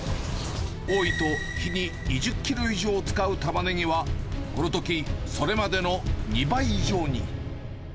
多いと日に２０キロ以上使うタマネギは、このとき、それまでの２倍以上に。